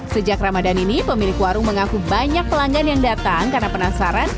sejak ramadhan ini pemilik warung mengaku banyak pelanggan yang datang karena penasaran